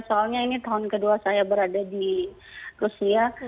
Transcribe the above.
soalnya ini tahun kedua saya berada di rusia